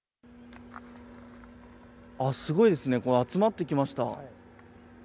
あっ、すごいですね、集まってきました。